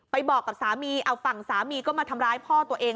บอกกับสามีเอาฝั่งสามีก็มาทำร้ายพ่อตัวเอง